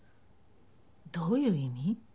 どういう意味？